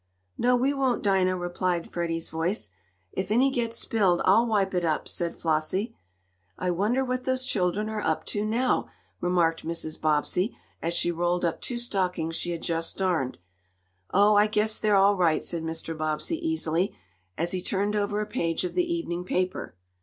"No, we won't, Dinah!" replied Freddie's voice. "If any gets spilled, I'll wipe it up," said Flossie. "I wonder what those children are up to now?" remarked Mrs. Bobbsey, as she rolled up two stockings she had just darned. "Oh, I guess they're all right," said Mr. Bobbsey easily, as he turned over a page of the evening paper.